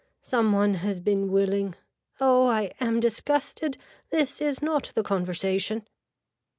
Some one has been willing. Oh I am disgusted. This is not the conversation.